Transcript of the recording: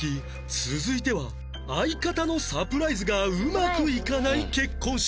続いては相方のサプライズがうまくいかない結婚式